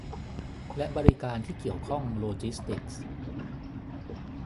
และบริการที่เกี่ยวข้องโลจิสติกส์